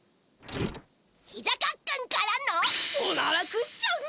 ひざカックンからの。おならクッション！